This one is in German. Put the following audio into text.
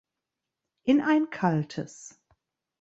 In ein kaltes.